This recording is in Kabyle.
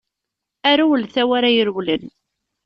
A rewlet a w'ara irewlen!